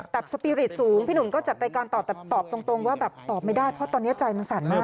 แต่สปีริตสูงพี่หนุ่มก็จัดรายการตอบแต่ตอบตรงว่าแบบตอบไม่ได้เพราะตอนนี้ใจมันสั่นมาก